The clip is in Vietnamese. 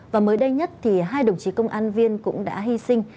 và mới đây nhất thì hai đồng chí công an viên cũng đã hy sinh